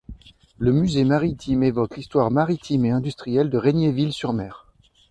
Le musée maritime évoque l'histoire maritime et industrielle de Regnéville-sur-Mer.